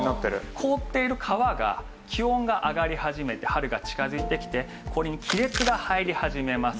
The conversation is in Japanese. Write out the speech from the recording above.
凍っている川が気温が上がり始めて春が近づいてきて氷に亀裂が入り始めます。